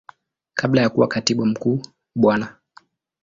Kabla ya kuwa Katibu Mkuu Bwana.